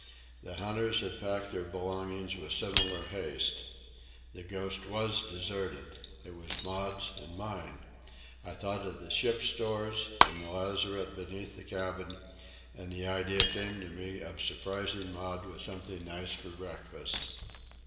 The hunters had packed their belongings with similar haste. The Ghost was deserted. It was Maud's and mine. I thought of the ship's stores and the lazarette beneath the cabin, and the idea came to me of surprising Maud with something nice for breakfast.